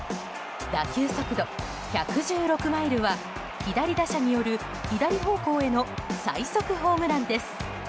打球速度１１６マイルは左打者による左方向への最速ホームランです。